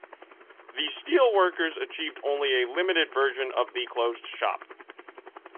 The Steelworkers achieved only a limited version of the closed shop.